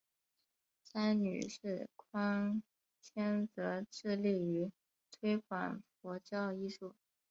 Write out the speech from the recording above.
三女释宽谦则致力于推广佛教艺术。